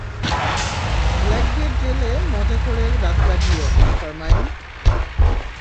Blackgate জেলে মজা করে রাত কাটিও, কারমাইন।